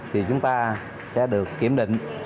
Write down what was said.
thì chúng ta sẽ được kiểm định